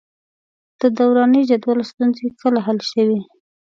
د دوراني جدول ستونزې کله حل شوې؟